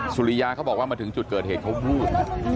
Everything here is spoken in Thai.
สุริยาเขาบอกว่ามาถึงจุดเกิดเหตุเขาวูบ